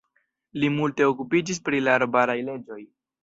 Li multe okupiĝis pri la arbaraj leĝoj.